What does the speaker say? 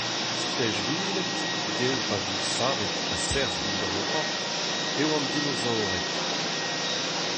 Stlejviled, dezho pavioù savet a-serzh dindan o c'horf, eo an dinosaored.